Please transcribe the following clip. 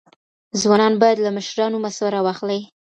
ځوانان باید له مشرانو مسوره واخلي.